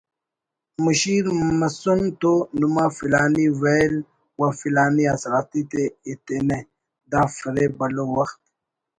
مشیر مسن تو نما فلانی ویل و فلانی آسراتی تے ایتنہ دا فریب بھلو وخت